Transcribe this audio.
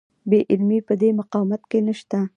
بې عملي په دې مقاومت کې نشته.